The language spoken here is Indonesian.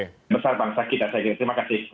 besar bangsa kita saya kira terima kasih